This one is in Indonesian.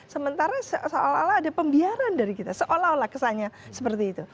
sementara seolah olah ada pembiaran dari kita seolah olah kesannya seperti itu